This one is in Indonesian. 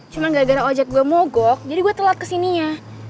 cuma gara gara ojek gue mogok jadi gue telat kesininya